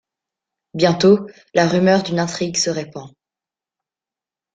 Bientôt, la rumeur d'une intrigue se répand.